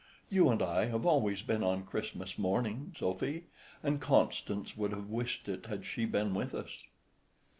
You and I have always been on Christmas mornings, Sophy, and Constance would have wished it had she been with us."